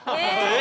え！